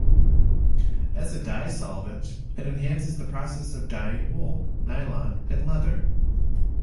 As a dye solvent, it enhances the process of dying wool, nylon, and leather.